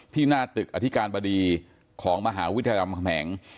หน้าตึกอธิการบดีของมหาวิทยาลำคำแหง